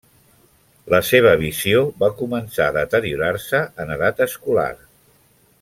La seva visió va començar a deteriorar-se en edat escolar.